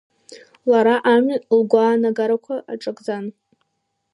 Лара амҩан лгәаанагарақәа аҽакӡан.